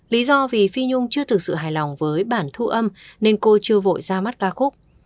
lý do vì phi nhung chưa thực sự hài lòng với bản thu âm nên cô chưa vội ra mắt ca khúc